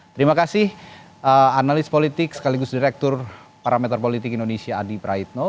terima kasih analis politik sekaligus direktur parameter politik indonesia adi praitno